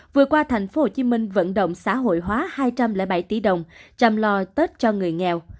vừa qua thành phố hồ chí minh vận động xã hội hóa hai trăm linh bảy tỷ đồng chăm lo tết cho người nghèo